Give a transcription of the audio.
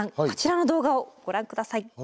こちらの動画をご覧下さい。